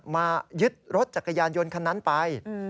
มายึดรถจักรยานยนต์คันนั้นไป